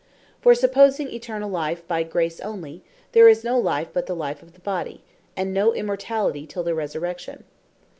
For supposing Eternall Life by Grace onely, there is no Life, but the Life of the Body; and no Immortality till the Resurrection.